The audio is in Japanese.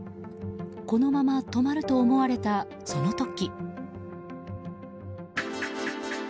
このまま止まると思われたその時。